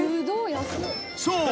［そう。